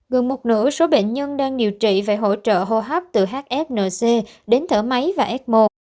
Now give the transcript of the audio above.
gần một nửa số bệnh nhân đang điều trị và hỗ trợ hô hấp từ hfnc đến thở máy và ecmo